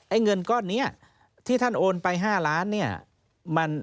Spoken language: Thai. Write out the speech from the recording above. ไอ้เงินก้อนนี้ที่ท่านโอนไป๕ล้าน